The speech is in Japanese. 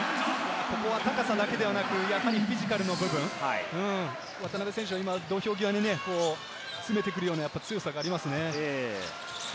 ここは高さだけではなくフィジカルの部分、渡邊選手、今、土俵際で攻めてくるような強さがありますね。